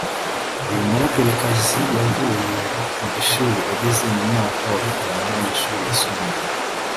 uyu muraperikazi yavuye mu ishuri ageze mu mwaka wa gatanu w’amashuri yisumbuye